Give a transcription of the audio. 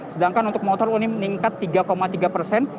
sedangkan untuk motor ini meningkat tiga tiga persen